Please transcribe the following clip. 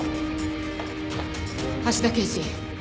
橋田刑事